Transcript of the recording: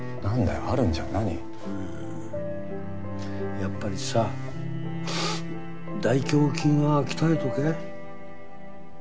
やっぱりさ大胸筋は鍛えておけ。